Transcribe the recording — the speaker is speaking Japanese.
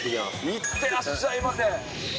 いってらっしゃいませ。